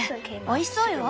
おいしそうよ。